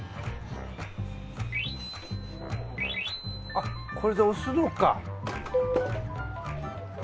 あっこれで押すのか。